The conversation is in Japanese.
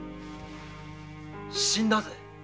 死んだぜ。